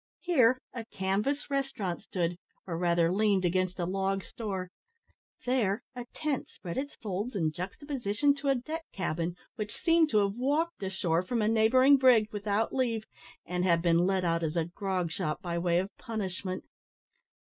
Here a canvas restaurant stood, or, rather leaned against a log store. There a tent spread its folds in juxtaposition to a deck cabin, which seemed to have walked ashore from a neighbouring brig, without leave, and had been let out as a grog shop by way of punishment.